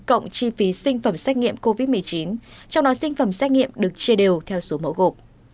cộng chi phí sinh phẩm xét nghiệm covid một mươi chín trong đó sinh phẩm xét nghiệm được chia đều theo số mẫu gộp